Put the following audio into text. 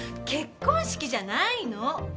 結婚式じゃないの！